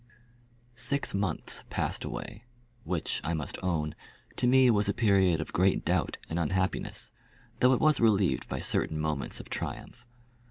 Six months passed away, which, I must own to me was a period of great doubt and unhappiness, though it was relieved by certain moments of triumph.